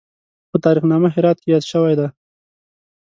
په تاریخ نامه هرات کې یاد شوی دی.